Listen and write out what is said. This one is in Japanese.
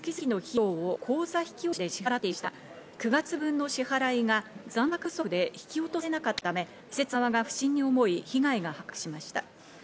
たが、９月分の支払いが残高不足で引き落とされなかったため、施設側が不審に思い被害が発覚しました。